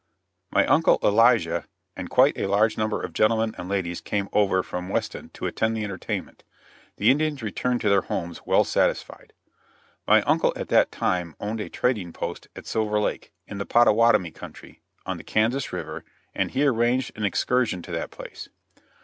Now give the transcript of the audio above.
My Uncle Elijah and quite a large number of gentlemen and ladies came over from Weston to attend the entertainment. The Indians returned to their homes well satisfied. My uncle at that time owned a trading post at Silver Lake, in the Pottawattamie country, on the Kansas river, and he arranged an excursion to that place.